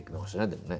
でもね